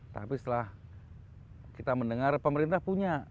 tapi setelah kita mendengar pemerintah punya